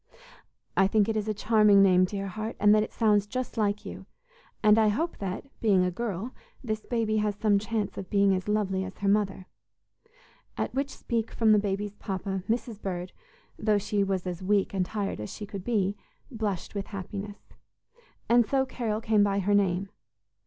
"I think it is a charming name, dear heart, and that it sounds just like you, and I hope that, being a girl, this baby has some chance of being as lovely as her mother," at which speech from the baby's papa, Mrs. Bird, though she was as weak and tired as she could be, blushed with happiness. And so Carol came by her name.